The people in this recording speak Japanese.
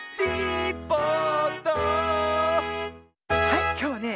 はいきょうはね